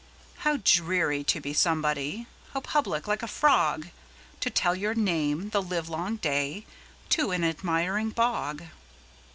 How dreary to be somebody! How public, like a frogTo tell your name the livelong dayTo an admiring bog!